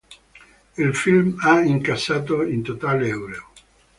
Il film ha incassato in totale euro.